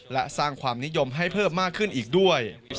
และสร้างความนิยมให้เพิ่มมากขึ้นอีกด้วย